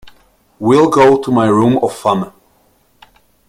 We'll go to my room of fun.